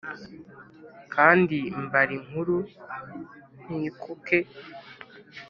kandi mbara inkuru ntikuke